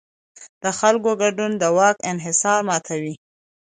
د خلکو ګډون د واک انحصار ماتوي